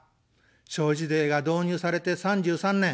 消費税が導入されて３３年。